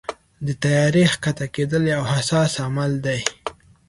د طیارې کښته کېدل یو حساس عمل دی.